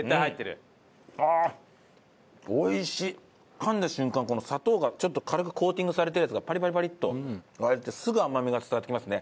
かんだ瞬間砂糖がちょっと軽くコーティングされてるやつがパリパリパリッと割れてすぐ甘みが伝わってきますね。